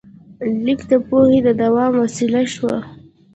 لیک د پوهې د دوام وسیله شوه.